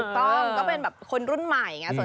ถูกต้องก็เป็นแบบคนรุ่นใหม่อย่างนี้